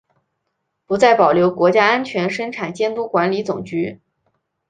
不再保留国家安全生产监督管理总局。